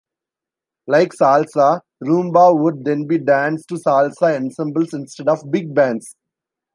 Like salsa, rhumba would then be danced to salsa ensembles instead of big bands.